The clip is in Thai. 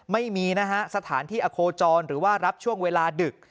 ไม่มีนะฮะสถานที่อโคจรหรือว่ารับช่วงเวลาดึก